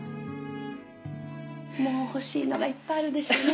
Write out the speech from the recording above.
もう欲しいのがいっぱいあるでしょうね